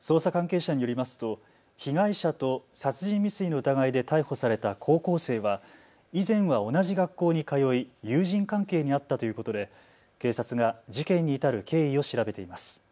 捜査関係者によりますと被害者と殺人未遂の疑いで逮捕された高校生は以前は同じ学校に通い友人関係にあったということで警察が事件に至る経緯を調べています。